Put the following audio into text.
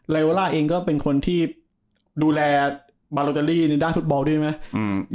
ไรโวล่าเองก็เป็นคนที่ดูแลบาร์โลควรจะรีในด้านธุรกิจบอลดูเหมือนไหม